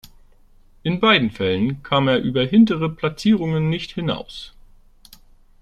In beiden Fällen kam er über hintere Platzierungen nicht hinaus.